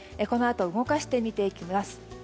このあと動かしてみていきます。